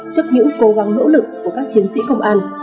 trước những cố gắng nỗ lực của các chiến sĩ công an